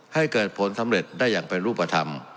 ให้เกิดผลสำเร็จได้อย่างเป็นรูปธรรม